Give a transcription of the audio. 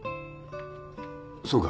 そうか。